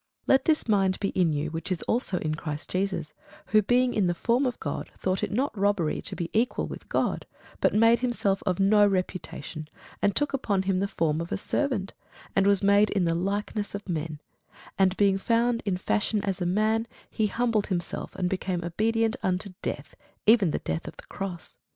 Let this mind be in you, which was also in Christ Jesus: who, being in the form of God, thought it not robbery to be equal with God: but made himself of no reputation, and took upon him the form of a servant, and was made in the likeness of men: and being found in fashion as a man, he humbled himself, and became obedient unto death, even the death of the cross.